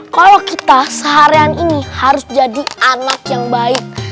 kalau kita seharian ini harus jadi anak yang baik